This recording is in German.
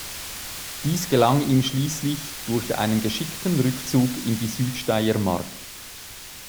Dies gelang ihm schließlich durch einen geschickten Rückzug in die Südsteiermark.